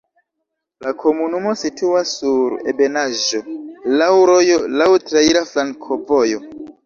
La komunumo situas sur ebenaĵo, laŭ rojo, laŭ traira flankovojo.